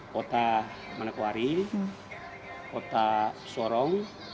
kota manakwari kota sorong